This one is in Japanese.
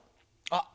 あっ！